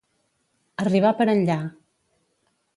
Arribar per enllà.